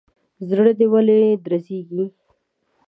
زړه دي ولي درزيږي.